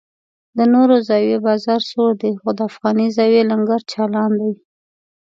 د نورو زاویو بازار سوړ دی خو د افغاني زاویې لنګر چالان دی.